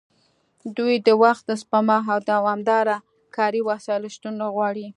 دوی د وخت سپما او دوامداره کاري وسایلو شتون نه غواړي